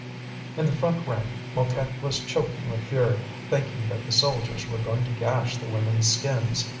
In the front rank Mouquette was choking with fury, thinking that the soldiers were going to gash the women's skins.